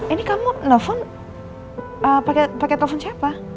ini kamu nelfon pakai telepon siapa